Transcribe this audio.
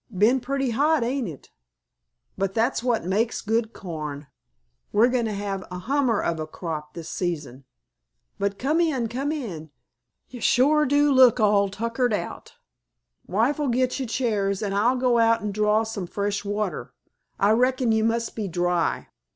Be'n pretty hot, ain't it? But that's what makes good corn. We're going to have a hummer of a crop this season. But come in, come in! Ye shore do look all tuckered out. Wife'll git ye chairs, an' I'll go out an' draw up some fresh water. I reckon ye must be dry."